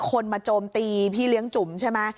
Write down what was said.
คนมาโจมตีพี่เลี้ยงจุ๋มใช่ไหม